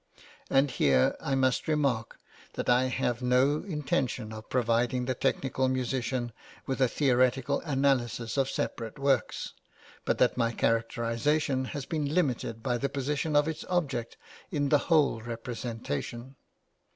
And here I must remark that I have had no intention of providing the technical musician with a theoretical analysis of separate works, but that my characterisation has been limited by the position of its object in the whole representation.